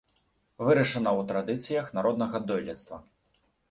Вырашана ў традыцыях народнага дойлідства.